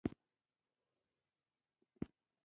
سپوږمۍ د رومانوی احساساتو استازیتوب کوي